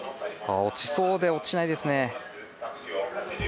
落ちそうで落ちないですね。